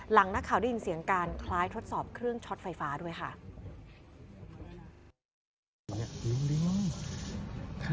หลังนักข่าวได้ยินเสียงการคล้ายทดสอบเครื่องช็อตไฟฟ้าด้วยค่ะ